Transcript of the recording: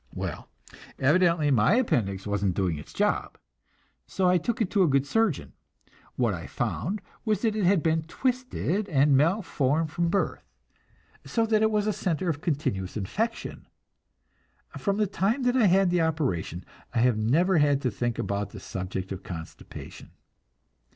Well, evidently my appendix wasn't doing its job, so I took it to a good surgeon. What I found was that it had been twisted and malformed from birth, so that it was a center of continuous infection. From the time I had that operation, I have never had to think about the subject of constipation.